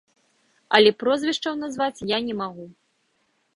Але прозвішчаў назваць я не магу.